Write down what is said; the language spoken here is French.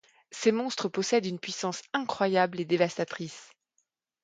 Ces monstres possèdent une puissance incroyable et dévastatrice.